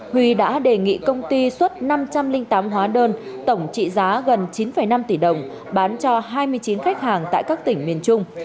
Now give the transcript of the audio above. huy đã đề nghị công ty xuất năm trăm linh tám hóa đơn tổng trị giá gần chín năm tỷ đồng bán cho hai mươi chín khách hàng tại các tỉnh miền trung